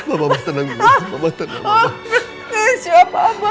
mama tenang mama tenang mama